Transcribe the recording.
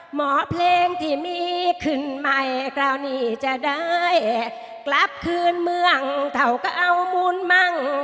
หมอเพลงที่มีขึ้นใหม่คราวนี้จะได้กลับคืนเมืองเขาก็เอามูลมั่ง